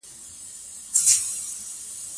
هر مضر له خپله اصله معلومیږي